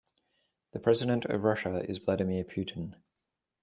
The president of Russia is Vladimir Putin.